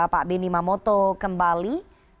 pak beni mamoto kembali